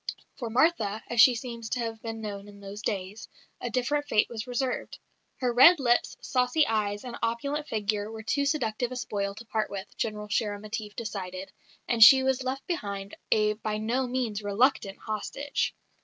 For Martha (as she seems to have been known in those days) a different fate was reserved. Her red lips, saucy eyes, and opulent figure were too seductive a spoil to part with, General Shérémétief decided, and she was left behind, a by no means reluctant hostage.